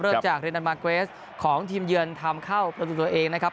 เริ่มจากเรนันมาเกรสของทีมเยือนทำเข้าประตูตัวเองนะครับ